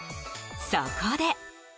そこで。